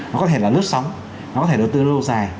nó có thể là lướt sóng nó có thể đầu tư lâu dài